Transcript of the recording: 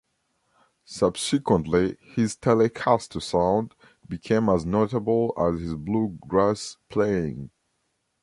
Subsequently, his Telecaster sound became as notable as his bluegrass playing.